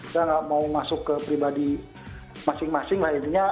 saya nggak mau masuk ke pribadi masing masing lah intinya